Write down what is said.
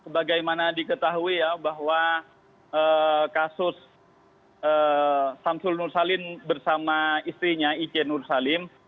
bagaimana diketahui ya bahwa kasus samsul nur salim bersama istrinya ich nur salim